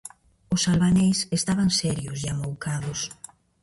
Os albaneis estaban serios e amoucados.